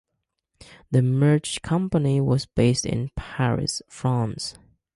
The merged company was based in Paris, France.